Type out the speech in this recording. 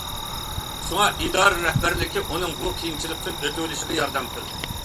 شۇڭا ئىدارە رەھبەرلىكى ئۇنىڭ بۇ قىيىنچىلىقتىن ئۆتۈۋېلىشىغا ياردەم قىلدى.